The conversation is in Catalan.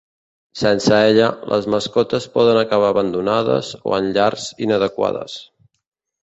Sense ella, les mascotes poden acabar abandonades o en llars inadequades.